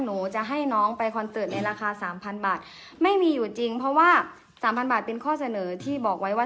หนูจะให้น้องไปคอนเสิร์ตในราคาสามพันบาทไม่มีอยู่จริงเพราะว่าสามพันบาทเป็นข้อเสนอที่บอกไว้ว่า